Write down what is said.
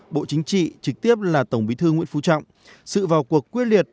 bộ chính trị trực tiếp là tổng bí thư nguyễn phú trọng sự vào cuộc quyết liệt